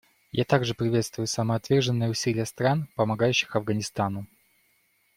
Я также приветствую самоотверженные усилия стран, помогающих Афганистану.